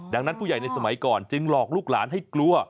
ดังนั้นผู้ใหญ่ในสมัยก่อนจึงหลอกลูกหลานให้กลัว